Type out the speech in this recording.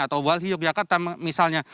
atau walhi yogyakarta misalnya